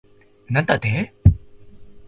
なんだって